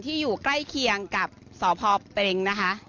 อยู่ใกล้เคียงกับสพเปรงนะคะ